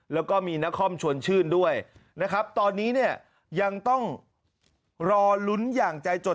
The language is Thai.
แล้วก็มีนครชวนชื่นด้วยนะครับตอนนี้เนี่ยยังต้องรอลุ้นอย่างใจจด